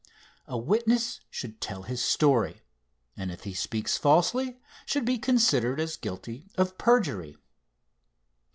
A witness should tell his story, and if he speaks falsely should be considered as guilty of perjury.